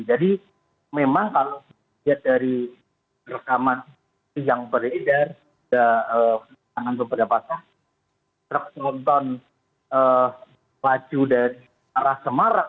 jadi memang kalau dilihat dari rekaman yang beredar ada penanganan beberapa pasang taktronton waju dari arah semarang